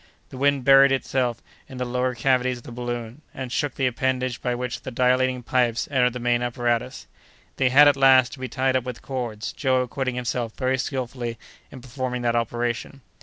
The wind buried itself in the lower cavities of the balloon and shook the appendage by which the dilating pipes entered the main apparatus. They had, at last, to be tied up with cords, Joe acquitting himself very skilfully in performing that operation.